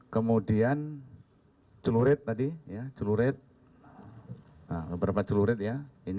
kemudian celurit tadi beberapa celurit ya